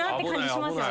しますね。